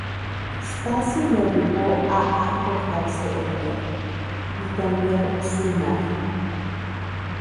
Stacy le obligó a a cortarse el pelo, y cambiar su imagen.